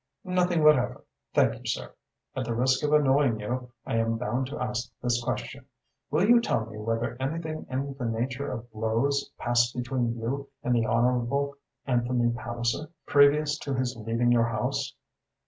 "Nothing whatever, thank you, sir. At the risk of annoying you, I am bound to ask this question. Will you tell me whether anything in the nature of blows passed between you and the Honourable Anthony Palliser, previous to his leaving your house?"